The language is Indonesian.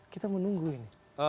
kita menunggu ini